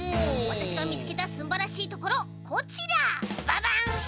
わたしがみつけたすんばらしいところこちらばばん！